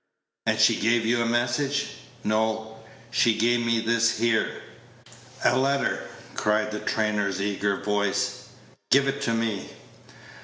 "And she gave you a message?" "No, she gave me this here." "A letter!" cried the trainer's eager voice: "give it me."